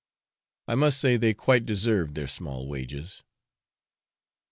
I must say they quite deserve their small wages.